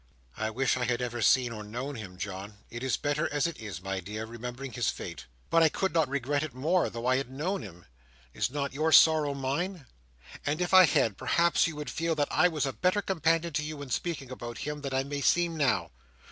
"I wish I had ever seen or known him, John." "It is better as it is, my dear, remembering his fate." "But I could not regret it more, though I had known him. Is not your sorrow mine? And if I had, perhaps you would feel that I was a better companion to you in speaking about him, than I may seem now."